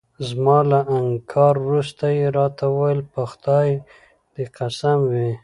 زما له انکار وروسته يې راته وویل: په خدای دې قسم وي.